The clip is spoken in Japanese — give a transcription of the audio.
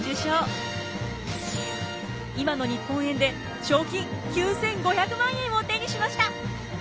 今の日本円で賞金９，５００万円を手にしました。